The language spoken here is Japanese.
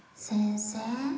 先生